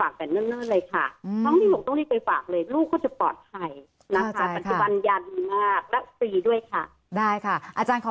ค่ะขอบคุณค่ะ